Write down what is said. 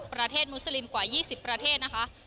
ประเทศมุสลิมกว่า๒๐ประเทศนะคะ